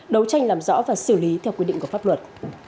đấu tranh làm rõ và xử lý theo quy định của pháp luật